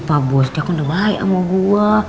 ya bos dia kondomaya sama gua